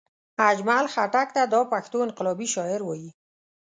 اجمل خټګ ته دا پښتو انقلابي شاعر وايي